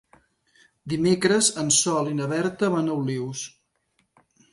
Dimecres en Sol i na Berta van a Olius.